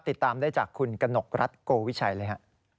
ติดตามได้จากคุณกนกรัฐโกวิชัยเลยฮะ